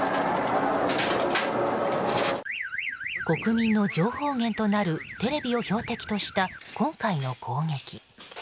国民の情報源となるテレビを標的とした今回の攻撃。